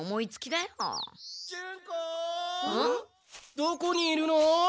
どこにいるの？